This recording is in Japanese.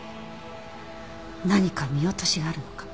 何か見落としがあるのかも。